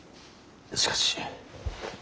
しかし。